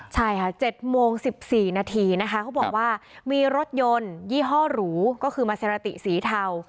ใช่ค่ะ๗โมง๑๔นาทีนะคะเขาบอกว่ามีรถยนต์ยี่ห้อหรูก็คือมาเซราติสีเทา